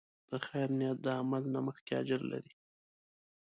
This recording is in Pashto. د خیر نیت د عمل نه مخکې اجر لري.